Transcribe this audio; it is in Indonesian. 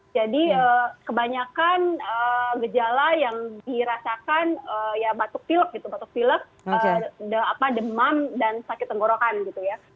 jadi kebanyakan gejala yang dirasakan ya batuk pilek gitu batuk pilek demam dan sakit tenggorokan gitu ya